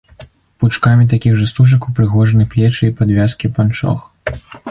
Пучкамі такіх жа стужак упрыгожаны плечы і падвязкі панчох.